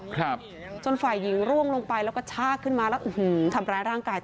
ครับจนฝ่ายหญิงร่วงลงไปแล้วก็ชากขึ้นมาแล้วอื้อหือทำร้ายร่างกาย